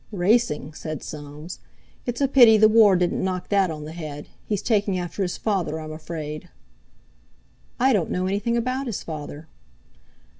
"Racing!" said Soames. "It's a pity the War didn't knock that on the head. He's taking after his father, I'm afraid." "I don't know anything about his father."